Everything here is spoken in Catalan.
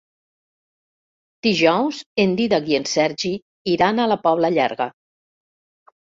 Dijous en Dídac i en Sergi iran a la Pobla Llarga.